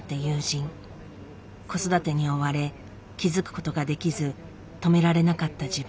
子育てに追われ気付くことができず止められなかった自分。